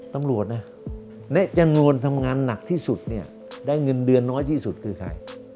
ตำรวจนะในจำนวนทำงานหนักที่สุดเนี่ยได้เงินเดือนน้อยที่สุดคือใคร